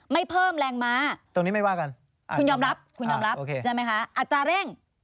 ไม่เพิ่มแรงม้าคุณยอมรับได้ไหมคะอัตราเร่ง